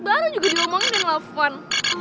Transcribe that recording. baru juga dilomongin dan telepon